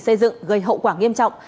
xây dựng gây hậu quả nghiêm trọng